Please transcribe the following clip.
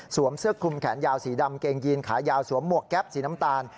เสื้อคลุมแขนยาวสีดำเกงยีนขายาวสวมหมวกแก๊ปสีน้ำตาล